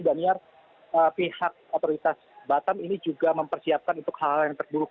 dan pihak otoritas batam ini juga mempersiapkan untuk hal hal yang terburuk